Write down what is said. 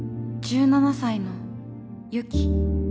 １７才のユキ。